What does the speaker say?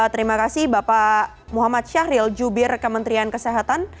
terima kasih bapak muhammad syahril jubir kementerian kesehatan